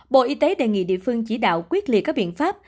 bộ y tế đề nghị địa phương chỉ đạo quyết liệt các biện pháp